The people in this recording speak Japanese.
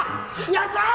やったあ！